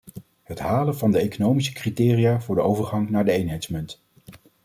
Het halen van de economische criteria voor de overgang naar de eenheidsmunt.